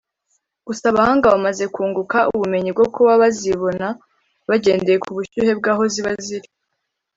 Gusa abahanga bamaze kunguka ubumenyi bwo kuba bazibona bagendeye ku bushyuhe bw'aho ziba ziri